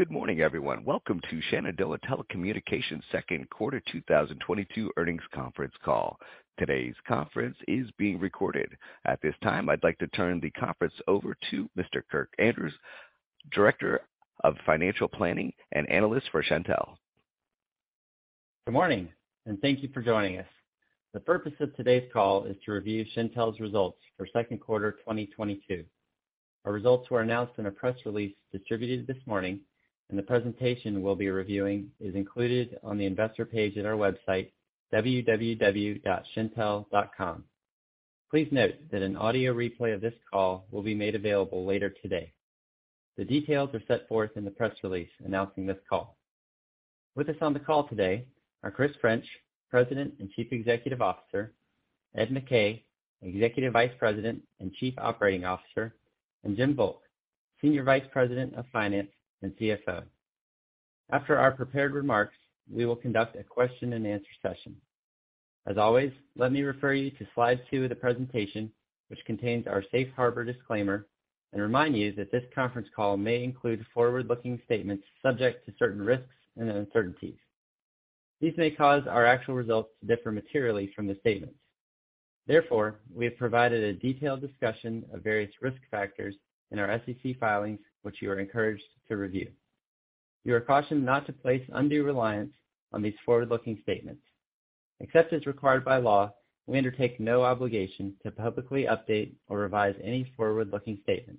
Good morning, everyone. Welcome to Shenandoah Telecommunications's second quarter 2022 earnings conference call. Today's conference is being recorded. At this time, I'd like to turn the conference over to Mr. Kirk Andrews, Director of Financial Planning and Analysis for Shentel. Good morning, and thank you for joining us. The purpose of today's call is to review Shentel's results for second quarter 2022. Our results were announced in a press release distributed this morning, and the presentation we'll be reviewing is included on the investor page at our website, www.shentel.com. Please note that an audio replay of this call will be made available later today. The details are set forth in the press release announcing this call. With us on the call today are Chris French, President and Chief Executive Officer, Ed McKay, Executive Vice President and Chief Operating Officer, and Jim Volk, Senior Vice President of Finance and CFO. After our prepared remarks, we will conduct a question and answer session. As always, let me refer you to slide two of the presentation, which contains our safe harbor disclaimer, and remind you that this conference call may include forward-looking statements subject to certain risks and uncertainties. These may cause our actual results to differ materially from the statements. Therefore, we have provided a detailed discussion of various risk factors in our SEC filings, which you are encouraged to review. You are cautioned not to place undue reliance on these forward-looking statements. Except as required by law, we undertake no obligation to publicly update or revise any forward-looking statement.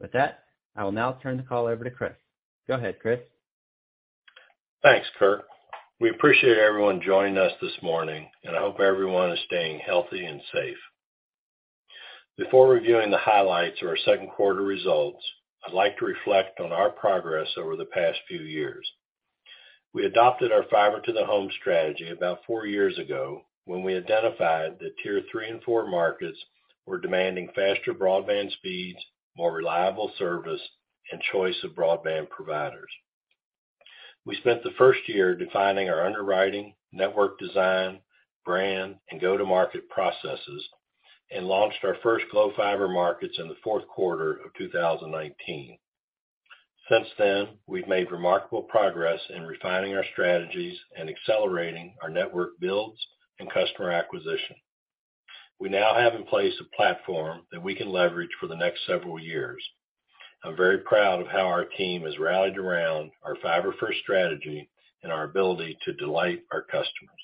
With that, I will now turn the call over to Chris. Go ahead, Chris. Thanks, Kirk. We appreciate everyone joining us this morning, and I hope everyone is staying healthy and safe. Before reviewing the highlights of our second quarter results, I'd like to reflect on our progress over the past few years. We adopted our fiber to the home strategy about four years ago, when we identified that Tier 3 and 4 markets were demanding faster broadband speeds, more reliable service, and choice of broadband providers. We spent the first year defining our underwriting, network design, brand, and go-to-market processes, and launched our first Glo Fiber markets in the fourth quarter of 2019. Since then, we've made remarkable progress in refining our strategies and accelerating our network builds and customer acquisition. We now have in place a platform that we can leverage for the next several years. I'm very proud of how our team has rallied around our fiber-first strategy and our ability to delight our customers.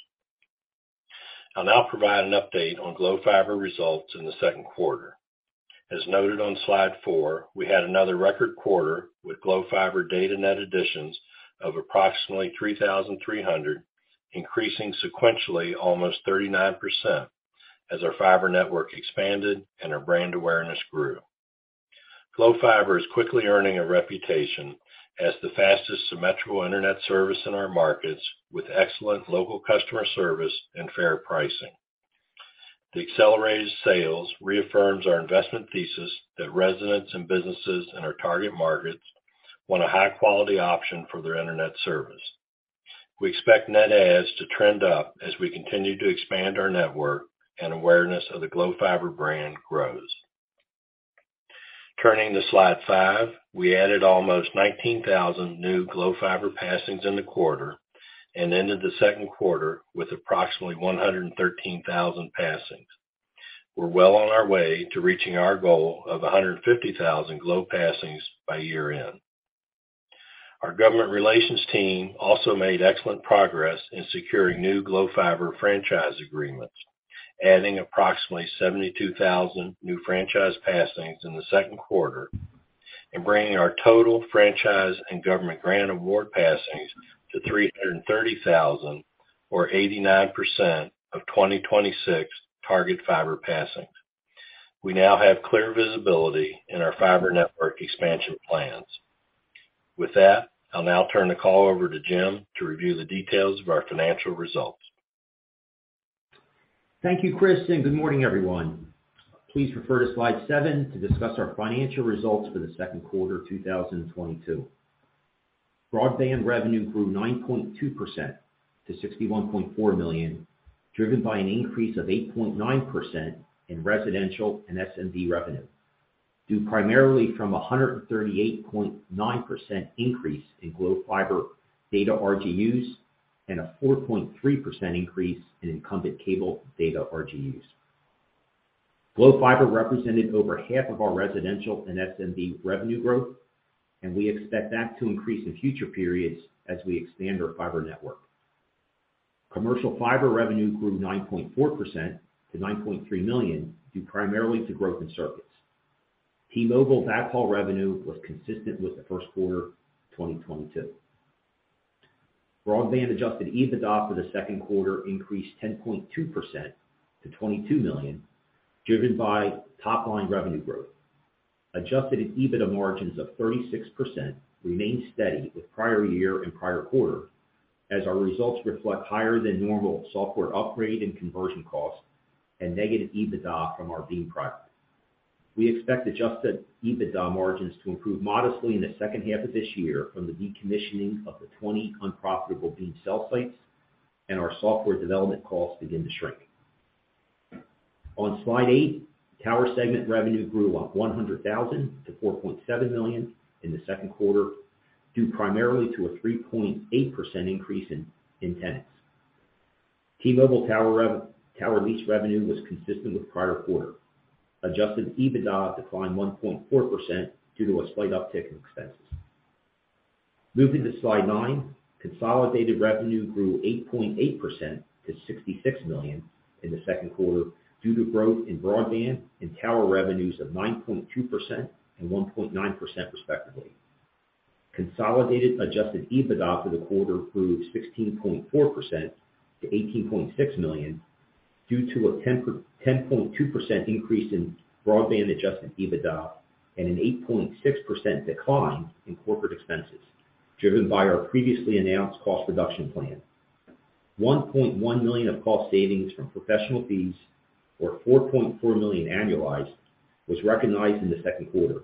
I'll now provide an update on Glo Fiber results in the second quarter. As noted on slide four, we had another record quarter with Glo Fiber data net additions of approximately 3,300, increasing sequentially almost 39% as our fiber network expanded and our brand awareness grew. Glo Fiber is quickly earning a reputation as the fastest symmetrical internet service in our markets, with excellent local customer service and fair pricing. The accelerated sales reaffirms our investment thesis that residents and businesses in our target markets want a high-quality option for their internet service. We expect net adds to trend up as we continue to expand our network and awareness of the Glo Fiber brand grows. Turning to slide five, we added almost 19,000 new Glo Fiber passings in the quarter and ended the second quarter with approximately 113,000 passings. We're well on our way to reaching our goal of 150,000 Glo passings by year-end. Our government relations team also made excellent progress in securing new Glo Fiber franchise agreements, adding approximately 72,000 new franchise passings in the second quarter and bringing our total franchise and government grant award passings to 330,000 or 89% of 2026 target fiber passings. We now have clear visibility in our fiber network expansion plans. With that, I'll now turn the call over to Jim to review the details of our financial results. Thank you, Chris, and good morning, everyone. Please refer to slide seven to discuss our financial results for the second quarter of 2022. Broadband revenue grew 9.2% to $61.4 million, driven by an increase of 8.9% in residential and SMB revenue, due primarily from a 138.9% increase in Glo Fiber data RGUs and a 4.3% increase in incumbent cable data RGUs. Glo Fiber represented over half of our residential and SMB revenue growth, and we expect that to increase in future periods as we expand our fiber network. Commercial fiber revenue grew 9.4% to $9.3 million, due primarily to growth in circuits. T-Mobile backhaul revenue was consistent with the first quarter 2022. Broadband adjusted EBITDA for the second quarter increased 10.2% to $22 million, driven by top line revenue growth. Adjusted EBITDA margins of 36% remained steady with prior year and prior quarter as our results reflect higher than normal software upgrade and conversion costs and negative EBITDA from our Beam product. We expect adjusted EBITDA margins to improve modestly in the second half of this year from the decommissioning of the 20 unprofitable Beam cell sites and our software development costs begin to shrink. On slide 8, tower segment revenue grew up $100,000 to $4.7 million in the second quarter, due primarily to a 3.8% increase in tenants. T-Mobile tower lease revenue was consistent with prior quarter. Adjusted EBITDA declined 1.4% due to a slight uptick in expenses. Moving to slide nine. Consolidated revenue grew 8.8% to $66 million in the second quarter due to growth in broadband and tower revenues of 9.2% and 1.9% respectively. Consolidated adjusted EBITDA for the quarter grew 16.4% to $18.6 million due to a 10.2% increase in broadband adjusted EBITDA and an 8.6% decline in corporate expenses, driven by our previously announced cost reduction plan. $1.1 million of cost savings from professional fees, or $4.4 million annualized, was recognized in the second quarter.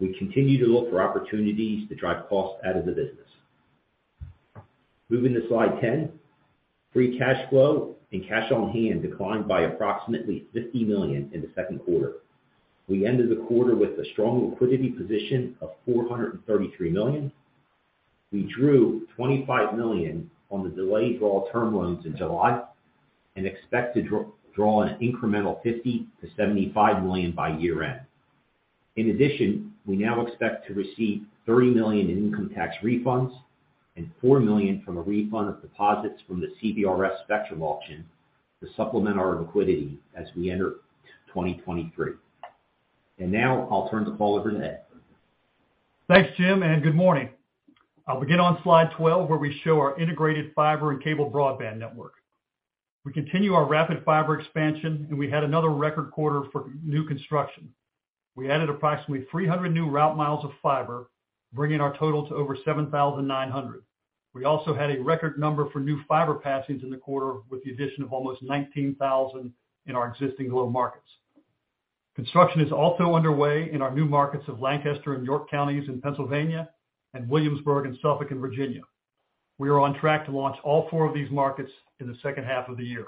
We continue to look for opportunities to drive costs out of the business. Moving to slide 10. Free cash flow and cash on hand declined by approximately $50 million in the second quarter. We ended the quarter with a strong liquidity position of $433 million. We drew $25 million on the delayed draw term loans in July and expect to draw an incremental $50 million-$75 million by year-end. In addition, we now expect to receive $30 million in income tax refunds and $4 million from a refund of deposits from the CBRS spectrum auction to supplement our liquidity as we enter 2023. Now I'll turn the call over to Ed. Thanks, Jim, and good morning. I'll begin on slide 12, where we show our integrated fiber and cable broadband network. We continue our rapid fiber expansion, and we had another record quarter for new construction. We added approximately 300 new route miles of fiber, bringing our total to over 7,900. We also had a record number for new fiber passings in the quarter, with the addition of almost 19,000 in our existing Glo markets. Construction is also underway in our new markets of Lancaster and York Counties in Pennsylvania and Williamsburg and Suffolk in Virginia. We are on track to launch all four of these markets in the second half of the year.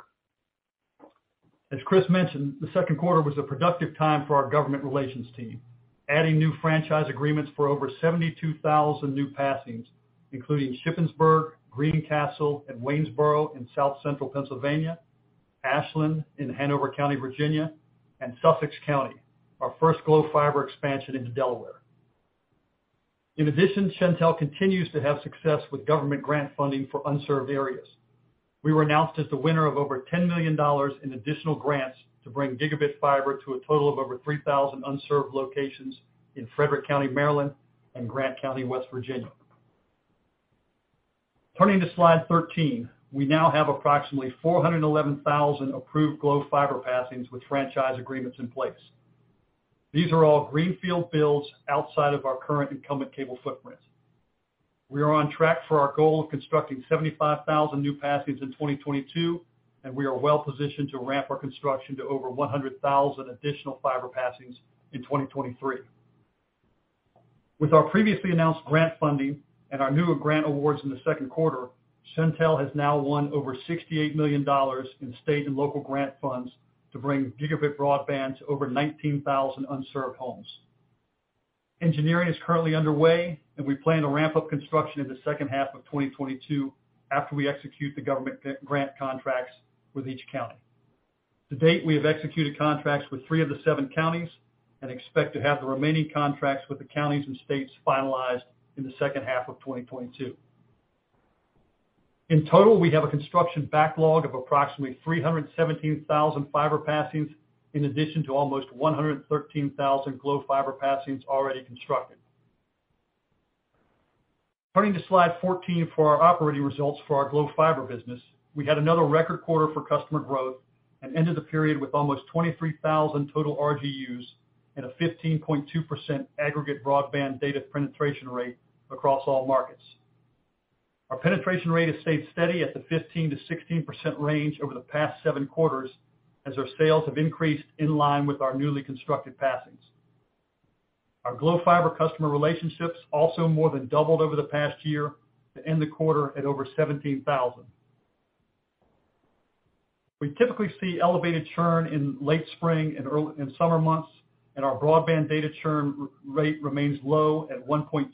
As Chris mentioned, the second quarter was a productive time for our government relations team, adding new franchise agreements for over 72,000 new passings, including Shippensburg, Greencastle, and Waynesboro in South Central Pennsylvania, Ashland in Hanover County, Virginia, and Sussex County, our first Glo Fiber expansion into Delaware. In addition, Shentel continues to have success with government grant funding for unserved areas. We were announced as the winner of over $10 million in additional grants to bring gigabit fiber to a total of over 3,000 unserved locations in Frederick County, Maryland, and Grant County, West Virginia. Turning to slide 13. We now have approximately 411,000 approved Glo Fiber passings with franchise agreements in place. These are all greenfield builds outside of our current incumbent cable footprint. We are on track for our goal of constructing 75,000 new passings in 2022, and we are well positioned to ramp our construction to over 100,000 additional fiber passings in 2023. With our previously announced grant funding and our newer grant awards in the second quarter, Shentel has now won over $68 million in state and local grant funds to bring gigabit broadband to over 19,000 unserved homes. Engineering is currently underway, and we plan to ramp up construction in the second half of 2022 after we execute the government grant contracts with each county. To date, we have executed contracts with three of the seven counties and expect to have the remaining contracts with the counties and states finalized in the second half of 2022. In total, we have a construction backlog of approximately 317,000 fiber passings, in addition to almost 113,000 Glo Fiber passings already constructed. Turning to slide 14 for our operating results for our Glo Fiber business. We had another record quarter for customer growth and ended the period with almost 23,000 total RGUs and a 15.2% aggregate broadband data penetration rate across all markets. Our penetration rate has stayed steady at the 15%-16% range over the past seven quarters as our sales have increased in line with our newly constructed passings. Our Glo Fiber customer relationships also more than doubled over the past year to end the quarter at over 17,000. We typically see elevated churn in late spring and summer months, and our broadband data churn rate remains low at 1.22%.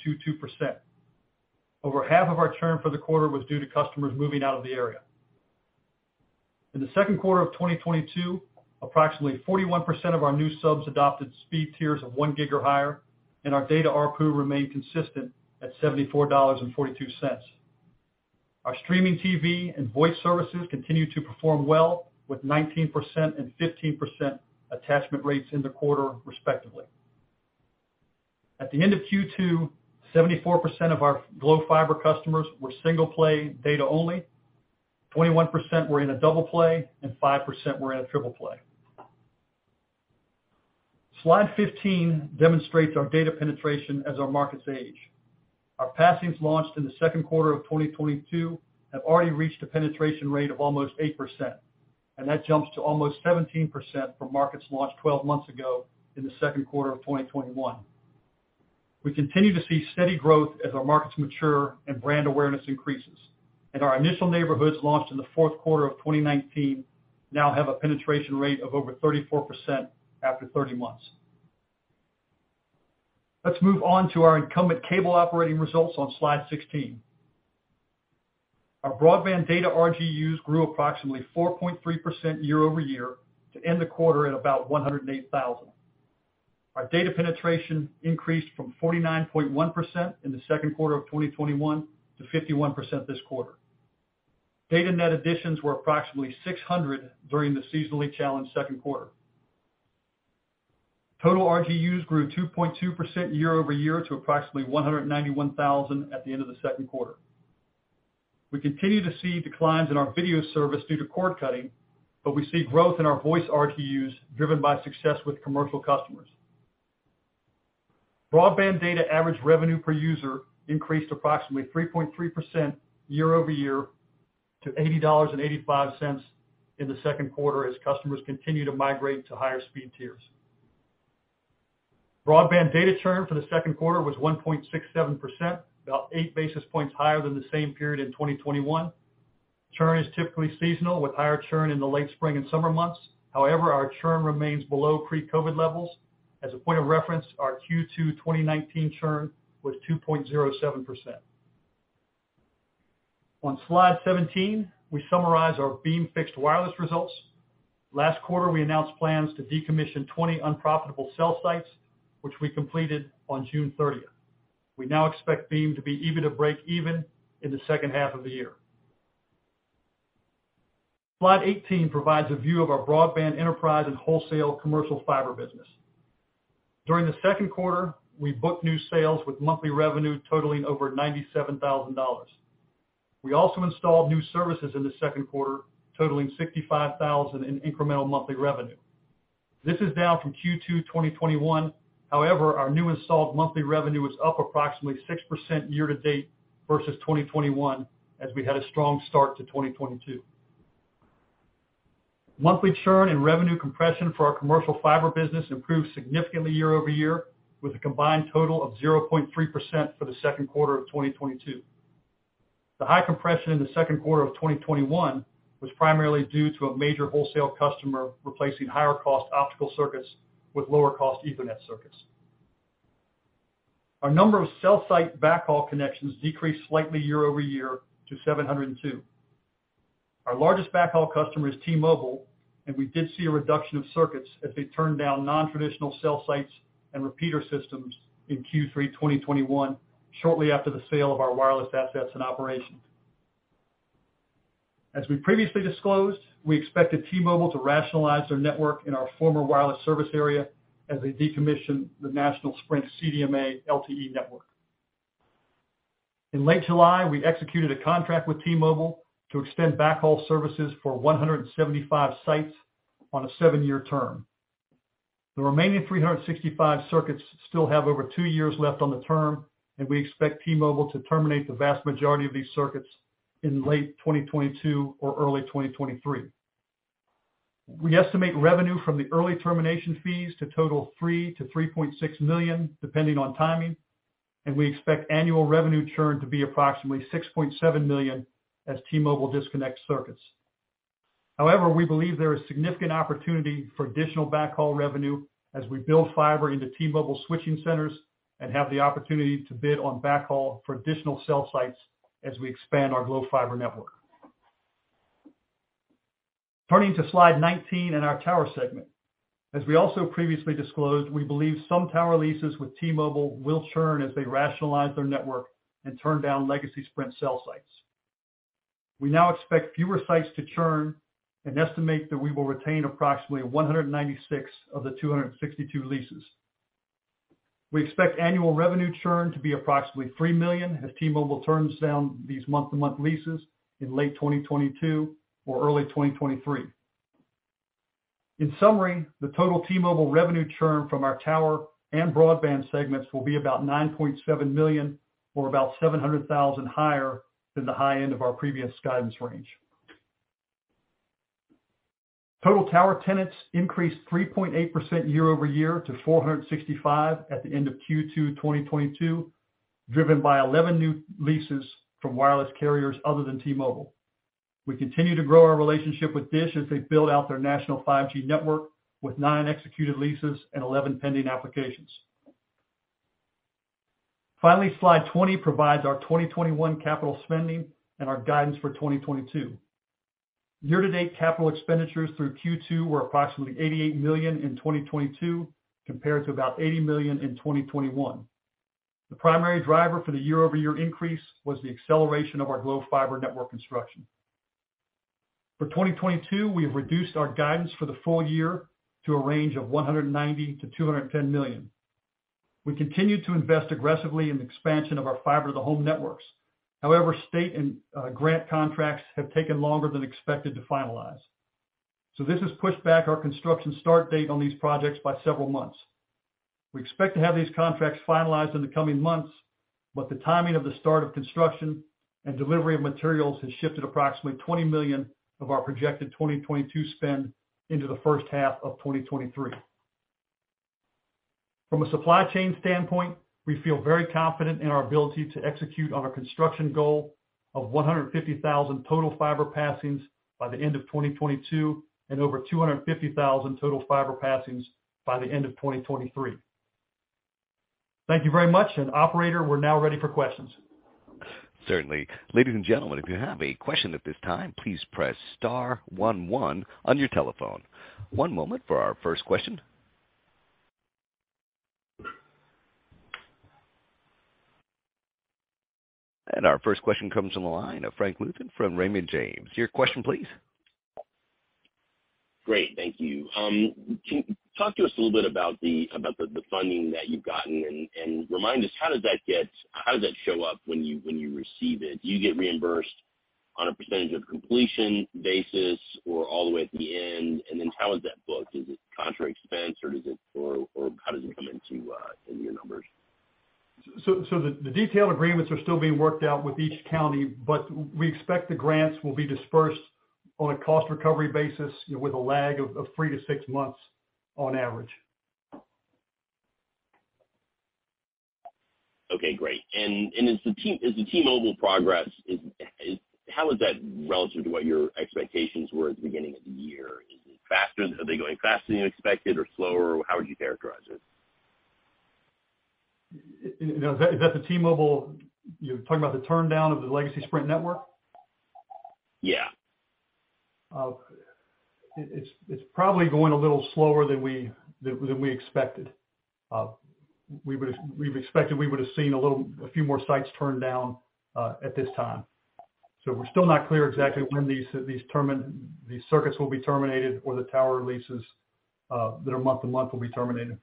Over half of our churn for the quarter was due to customers moving out of the area. In the second quarter of 2022, approximately 41% of our new subs adopted speed tiers of 1 Gb or higher, and our data ARPU remained consistent at $74.42. Our streaming TV and voice services continued to perform well, with 19% and 15% attachment rates in the quarter respectively. At the end of Q2, 74% of our Glo Fiber customers were single play data only, 21% were in a double play, and 5% were in a triple play. Slide 15 demonstrates our data penetration as our markets age. Our passings launched in the second quarter of 2022 have already reached a penetration rate of almost 8%, and that jumps to almost 17% for markets launched 12 months ago in the second quarter of 2021. We continue to see steady growth as our markets mature and brand awareness increases. Our initial neighborhoods launched in the fourth quarter of 2019 now have a penetration rate of over 34% after 30 months. Let's move on to our incumbent cable operating results on slide 16. Our broadband data RGUs grew approximately 4.3% year-over-year to end the quarter at about 108,000. Our data penetration increased from 49.1% in the second quarter of 2021 to 51% this quarter. Data net additions were approximately 600 during the seasonally challenged second quarter. Total RGUs grew 2.2% year-over-year to approximately 191,000 at the end of the second quarter. We continue to see declines in our video service due to cord cutting, but we see growth in our voice RGUs driven by success with commercial customers. Broadband data average revenue per user increased approximately 3.3% year-over-year to $80.85 in the second quarter as customers continue to migrate to higher speed tiers. Broadband data churn for the second quarter was 1.67%, about 8 basis points higher than the same period in 2021. Churn is typically seasonal with higher churn in the late spring and summer months. However, our churn remains below pre-COVID levels. As a point of reference, our Q2 2019 churn was 2.07%. On slide 17, we summarize our Beam fixed wireless results. Last quarter, we announced plans to decommission 20 unprofitable cell sites, which we completed on June 30. We now expect Beam to be able to break even in the second half of the year. Slide 18 provides a view of our broadband enterprise and wholesale commercial fiber business. During the second quarter, we booked new sales with monthly revenue totaling over $97,000. We also installed new services in the second quarter, totaling $65,000 in incremental monthly revenue. This is down from Q2 2021. However, our new installed monthly revenue is up approximately 6% year-to-date versus 2021, as we had a strong start to 2022. Monthly churn and revenue compression for our commercial fiber business improved significantly year-over-year, with a combined total of 0.3% for the second quarter of 2022. The high compression in the second quarter of 2021 was primarily due to a major wholesale customer replacing higher cost optical circuits with lower cost Ethernet circuits. Our number of cell site backhaul connections decreased slightly year-over-year to 702. Our largest backhaul customer is T-Mobile, and we did see a reduction of circuits as they turned down non-traditional cell sites and repeater systems in Q3 2021 shortly after the sale of our wireless assets and operations. As we previously disclosed, we expected T-Mobile to rationalize their network in our former wireless service area as they decommissioned the national Sprint CDMA LTE network. In late July, we executed a contract with T-Mobile to extend backhaul services for 175 sites on a seven-year term. The remaining 365 circuits still have over two years left on the term, and we expect T-Mobile to terminate the vast majority of these circuits in late 2022 or early 2023. We estimate revenue from the early termination fees to total $3 million-$3.6 million, depending on timing, and we expect annual revenue churn to be approximately $6.7 million as T-Mobile disconnects circuits. However, we believe there is significant opportunity for additional backhaul revenue as we build fiber into T-Mobile switching centers and have the opportunity to bid on backhaul for additional cell sites as we expand our Glo Fiber network. Turning to slide 19 and our tower segment. As we also previously disclosed, we believe some tower leases with T-Mobile will churn as they rationalize their network and turn down legacy Sprint cell sites. We now expect fewer sites to churn and estimate that we will retain approximately 196 of the 262 leases. We expect annual revenue churn to be approximately $3 million as T-Mobile churns down these month-to-month leases in late 2022 or early 2023. In summary, the total T-Mobile revenue churn from our tower and broadband segments will be about $9.7 million or about $700,000 higher than the high end of our previous guidance range. Total tower tenants increased 3.8% year-over-year to 465 at the end of Q2 2022, driven by 11 new leases from wireless carriers other than T-Mobile. We continue to grow our relationship with Dish as they build out their national 5G network with nine executed leases and 11 pending applications. Finally, slide 20 provides our 2021 capital spending and our guidance for 2022. Year-to-date capital expenditures through Q2 were approximately $88 million in 2022 compared to about $80 million in 2021. The primary driver for the year-over-year increase was the acceleration of our Glo Fiber network construction. For 2022, we have reduced our guidance for the full year to a range of $190 million-$210 million. We continue to invest aggressively in the expansion of our fiber to the home networks. However, state and grant contracts have taken longer than expected to finalize. This has pushed back our construction start date on these projects by several months. We expect to have these contracts finalized in the coming months. The timing of the start of construction and delivery of materials has shifted approximately $20 million of our projected 2022 spend into the first half of 2023. From a supply chain standpoint, we feel very confident in our ability to execute on our construction goal of 150,000 total fiber passings by the end of 2022 and over 250,000 total fiber passings by the end of 2023. Thank you very much. Operator, we're now ready for questions. Certainly. Ladies and gentlemen, if you have a question at this time, please press star one one on your telephone. One moment for our first question. Our first question comes from the line of Frank Louthan from Raymond James. Your question, please. Great. Thank you. Can you talk to us a little bit about the funding that you've gotten and remind us how does that show up when you receive it? Do you get reimbursed on a percentage of completion basis or all the way at the end? Then how is that booked? Is it contra expense or how does it come into your numbers? The detailed agreements are still being worked out with each county, but we expect the grants will be dispersed on a cost recovery basis, you know, with a lag of three to six months on average. Okay, great. Is the T-Mobile progress, how is that relative to what your expectations were at the beginning of the year? Is it faster? Are they going faster than you expected or slower? How would you characterize it? You know, is that the T-Mobile you're talking about the shutdown of the legacy Sprint network? Yeah. It's probably going a little slower than we expected. We would've expected we would've seen a few more sites turned down at this time. We're still not clear exactly when these circuits will be terminated or the tower leases that are month to month will be terminated.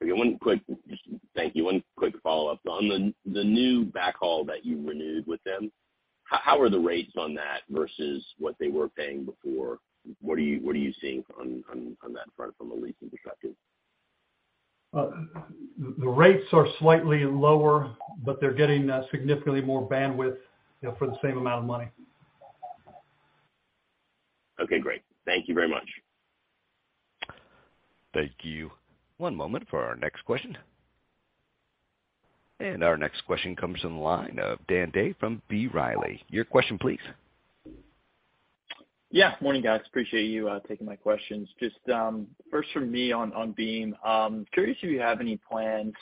Thank you. One quick follow-up. On the new backhaul that you renewed with them, how are the rates on that versus what they were paying before? What are you seeing on that front from a leasing perspective? The rates are slightly lower, but they're getting significantly more bandwidth, you know, for the same amount of money. Okay, great. Thank you very much. Thank you. One moment for our next question. Our next question comes from the line of Dan Day from B. Riley Securities. Your question please. Yeah. Morning, guys. Appreciate you taking my questions. Just first from me on Beam, curious if you have any plans,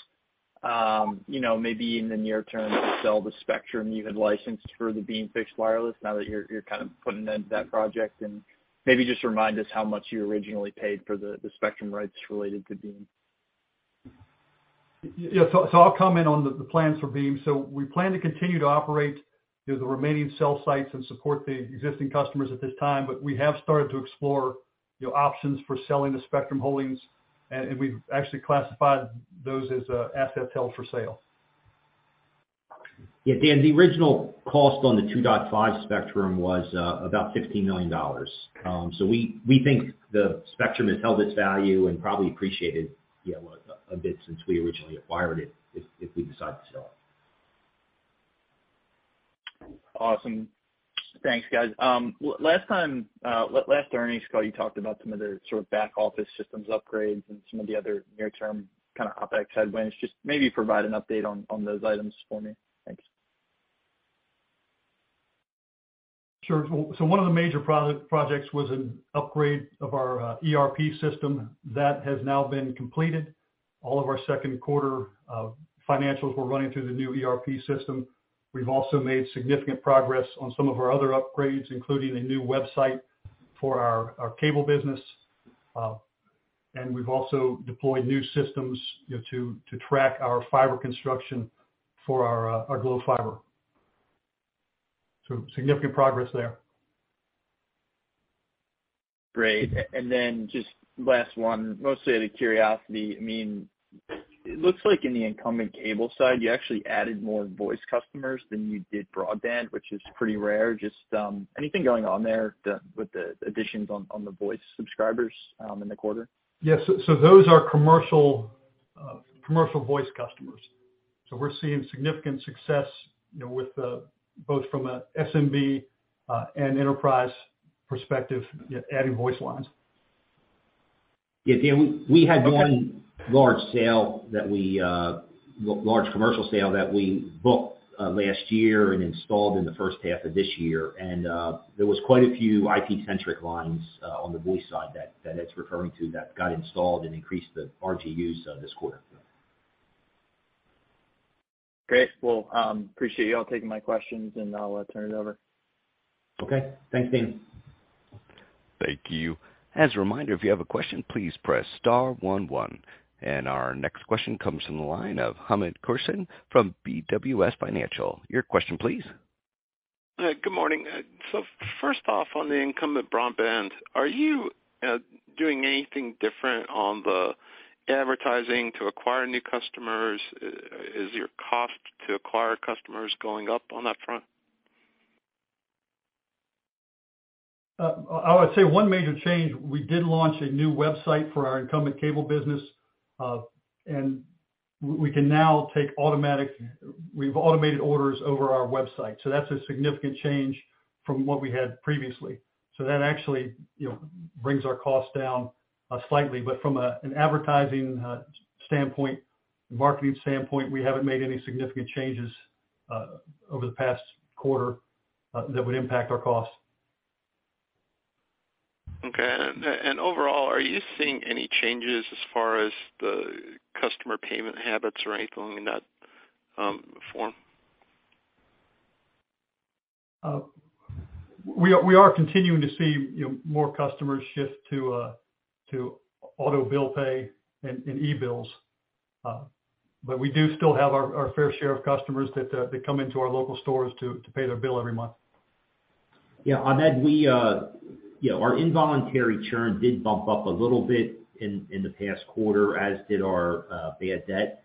you know, maybe in the near term to sell the spectrum you had licensed for the Beam fixed wireless now that you're kind of putting end to that project? Maybe just remind us how much you originally paid for the spectrum rights related to Beam. Yes. I'll comment on the plans for Beam. We plan to continue to operate, you know, the remaining cell sites and support the existing customers at this time, but we have started to explore, you know, options for selling the spectrum holdings and we've actually classified those as assets held for sale. Yeah, Dan, the original cost on the 2.5 spectrum was about $50 million. We think the spectrum has held its value and probably appreciated, you know, a bit since we originally acquired it if we decide to sell. Awesome. Thanks, guys. Last time, last earnings call, you talked about some of the sort of back office systems upgrades and some of the other near term kind of OpEx headwinds. Just maybe provide an update on those items for me. Thanks. Sure. One of the major projects was an upgrade of our ERP system that has now been completed. All of our second quarter financials were running through the new ERP system. We've also made significant progress on some of our other upgrades, including a new website for our cable business. We've also deployed new systems, you know, to track our fiber construction for our Glo Fiber. Significant progress there. Great. And then just last one, mostly out of curiosity, I mean, it looks like in the incumbent cable side, you actually added more voice customers than you did broadband, which is pretty rare. Just, anything going on there with the additions on the voice subscribers in the quarter? Yes. Those are commercial voice customers. We're seeing significant success, you know, with both from a SMB and enterprise perspective adding voice lines. Yeah, Dan, we had one large commercial sale that we booked last year and installed in the first half of this year. There was quite a few IP-centric lines on the voice side that Ed's referring to that got installed and increased the RGUs this quarter. Great. Well, appreciate you all taking my questions, and I'll turn it over. Okay. Thanks, Dan. Thank you. As a reminder, if you have a question, please press star one one, and our next question comes from the line of Hamed Khorsand from BWS Financial. Your question please. Good morning. First off, on the incumbent broadband, are you doing anything different on the advertising to acquire new customers? Is your cost to acquire customers going up on that front? I would say one major change, we did launch a new website for our incumbent cable business. We've automated orders over our website, so that's a significant change from what we had previously. That actually, you know, brings our costs down slightly. From an advertising standpoint, marketing standpoint, we haven't made any significant changes over the past quarter that would impact our costs. Okay. Overall, are you seeing any changes as far as the customer payment habits or anything in that form? We are continuing to see, you know, more customers shift to auto bill pay and e-bills. But we do still have our fair share of customers that come into our local stores to pay their bill every month. Yeah, Hamed, we, you know, our involuntary churn did bump up a little bit in the past quarter, as did our bad debt.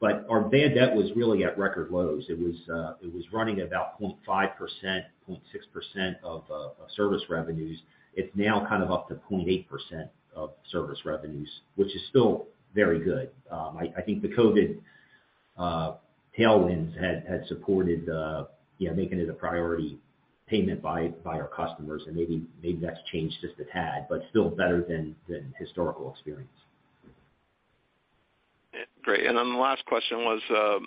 But our bad debt was really at record lows. It was running about 0.5%, 0.6% of service revenues. It's now kind of up to 0.8% of service revenues, which is still very good. I think the COVID tailwinds had supported, you know, making it a priority payment by our customers. Maybe that's changed just a tad, but still better than historical experience. Great. The last question was,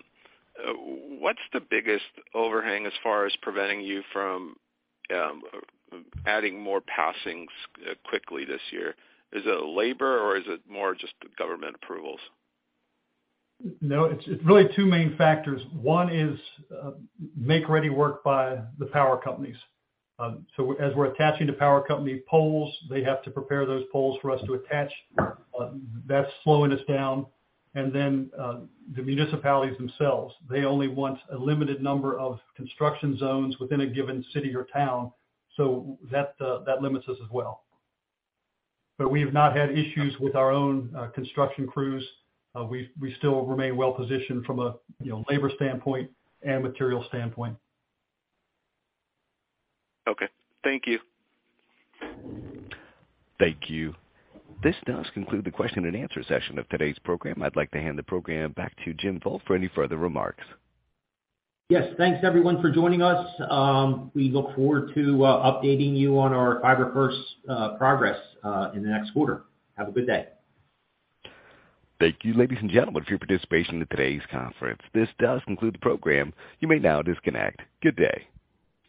what's the biggest overhang as far as preventing you from adding more passings quickly this year? Is it labor or is it more just the government approvals? No, it's really two main factors. One is make-ready work by the power companies. As we're attaching to power company poles, they have to prepare those poles for us to attach. That's slowing us down. Then, the municipalities themselves, they only want a limited number of construction zones within a given city or town, so that that limits us as well. We have not had issues with our own construction crews. We still remain well positioned from a you know labor standpoint and material standpoint. Okay, thank you. Thank you. This does conclude the question and answer session of today's program. I'd like to hand the program back to Jim Volk for any further remarks. Yes, thanks everyone for joining us. We look forward to updating you on our fiber first progress in the next quarter. Have a good day. Thank you, ladies and gentlemen, for your participation in today's conference. This does conclude the program. You may now disconnect. Good day.